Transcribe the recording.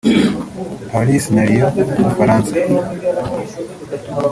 Paris na Lyon mu Bufaransa